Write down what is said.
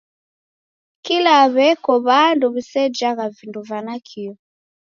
Kila w'eko w'andu w'isejagha vindo va nakio!